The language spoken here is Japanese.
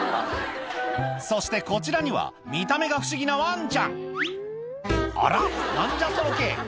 そしてこちらには見た目が不思議なワンちゃんあら何じゃその毛！